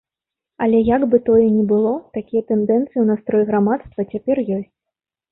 Але як бы тое ні было, такія тэндэнцыі ў настроі грамадства цяпер ёсць.